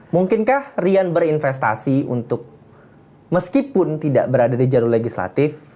mungkinkah rian berinvestasi untuk meskipun tidak berada di jalur legislatif